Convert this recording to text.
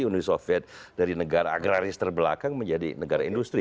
uni soviet dari negara agraris terbelakang menjadi negara industri